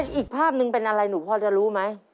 อีกภาพหนึ่งเป็นอะไรหนูพอจะรู้ไหม